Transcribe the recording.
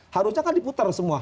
harusnya kan diputar semua